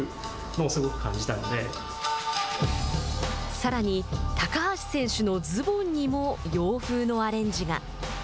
さらに、高橋選手のズボンにも洋風のアレンジが。